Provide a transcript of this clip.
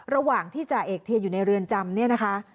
ระหว่างที่จ่าเอกเทียนอยู่ในเรือนจำ